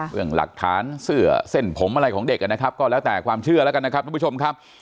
เรื่องหลักฐานเสื้อเส้นผมอะไรของเด็กก็แล้วแต่ความเชื่อแล้วกันนะครับ